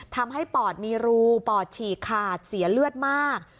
ปอดมีรูปอดฉีกขาดเสียเลือดมาก